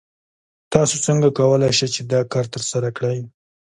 تاسو څنګه کولی شئ چې دا کار ترسره کړئ؟